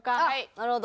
なるほど。